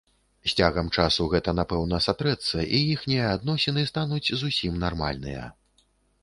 З цягам часу гэта напэўна сатрэцца, і іхнія адносіны стануць зусім нармальныя.